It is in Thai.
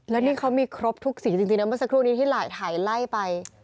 แล้วนี่เขามีครบทุกสีจริงนะเมื่อสักครู่นี้ที่หลายถ่ายไล่ไป